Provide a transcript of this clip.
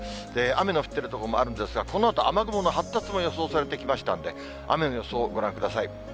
雨の降ってる所もあるんですが、このあと、雨雲の発達も予想されてきましたんで、雨の予想、ご覧ください。